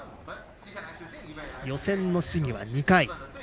予選の試技は２回。